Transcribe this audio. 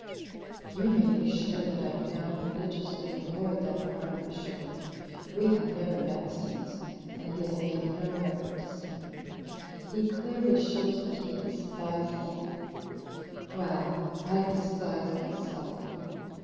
"You may be sure that I now religiously avoid that part of the shore. We have never met since, and he has made no effort to see me. He clearly shows that he despises me. Well, I despise myself.